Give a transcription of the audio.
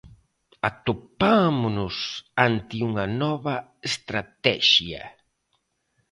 Atopámonos ante unha nova estratexia.